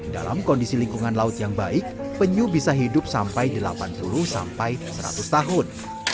dalam kondisi lingkungan laut yang baik penyu bisa hidup sampai delapan puluh sampai seratus tahun